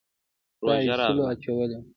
ساه ایستلو اچولي وو.